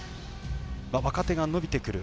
若手が伸びてくる。